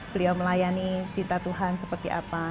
beliau melayani cita tuhan seperti apa